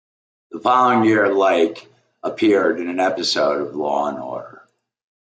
The following year, Leick appeared in an episode of "Law and Order".